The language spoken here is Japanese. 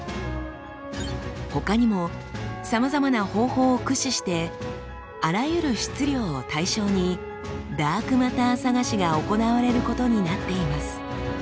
ほかにもさまざまな方法を駆使してあらゆる質量を対象にダークマター探しが行われることになっています。